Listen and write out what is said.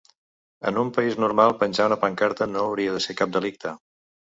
En un país normal penjar una pancarta no hauria de ser cap delicte.